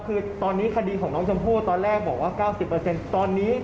คอนนี้คดีของน้องชมพู่ตอนแรกบอกว่าเก้าสิบเปอร์เซ็นต์ตอนนี้